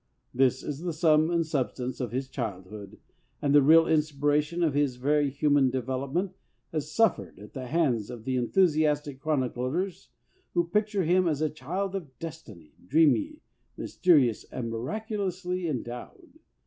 This is the sum and substance of his childhood, and the real inspiration of his very human develop ment has suffered at the hands of the enthusi astic chroniclers who picture him as a child of destiny— dreamy, mysterious, and miraculously endowed.